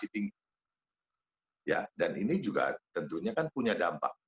oh ya dan ini juga tentunya kan punya dampak